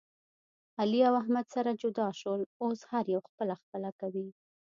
علي او احمد سره جدا شول. اوس هر یو خپله خپله کوي.